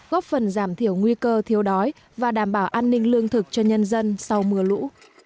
góp phần giảm thiểu nguy cơ thiếu đói và đảm bảo an ninh lương thực cho nhân dân sau mưa lũ